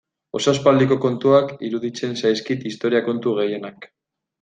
Oso aspaldiko kontuak iruditzen zaizkit historia kontu gehienak.